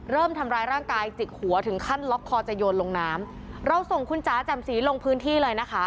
เริ่มทำร้ายร่างกายจิกหัวถึงขั้นล็อกคอจะโยนลงน้ำเราส่งคุณจ๋าแจ่มสีลงพื้นที่เลยนะคะ